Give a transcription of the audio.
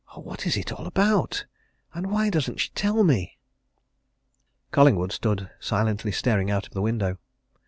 Oh! what is it all about? and why doesn't she tell me?" Collingwood stood silently staring out of the window.